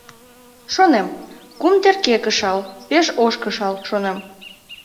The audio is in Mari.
Шонем: кум терке кышал, пеш ош кышал, шонем...